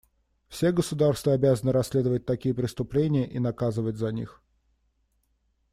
Все государства обязаны расследовать такие преступления и наказывать за них.